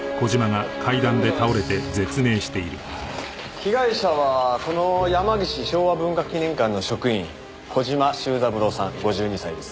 被害者はこの山岸昭和文化記念館の職員小島周三郎さん５２歳です。